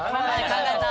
考えた！